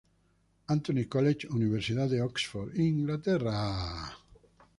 Antony’s College, Universidad de Oxford, Inglaterra.